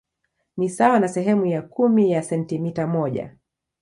Ni sawa na sehemu ya kumi ya sentimita moja.